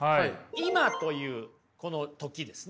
「今」というこの時ですね。